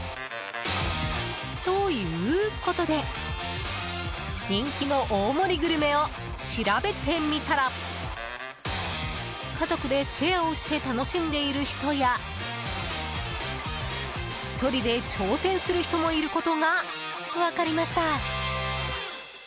ということで、人気の大盛りグルメを調べてみたら家族でシェアをして楽しんでいる人や１人で挑戦する人もいることが分かりました。